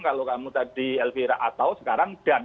kalau kamu tadi elvira atau sekarang dan